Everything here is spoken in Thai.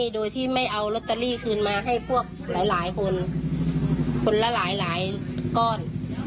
โดยที่ไม่เอาลอตเตอรี่คืนมาให้พวกหลายคนคนละหลายก้อน